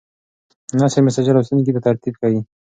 نثر مسجع لوستونکي ته ترتیب ښیي.